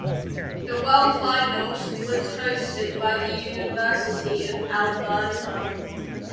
The World Finals was hosted by the University of Alberta.